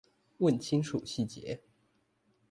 問清楚細節